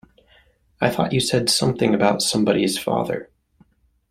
I thought you said something about somebody's father.